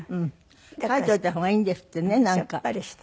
書いておいた方がいいんですってねなんか。